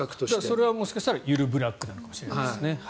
それはもしかしたらゆるブラックなのかもしれないですね。